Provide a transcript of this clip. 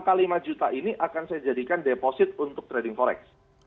angka lima juta ini akan saya jadikan deposit untuk trading forex